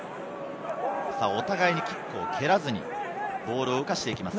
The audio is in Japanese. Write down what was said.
お互いにキックを蹴らずにボールを動かしていきます。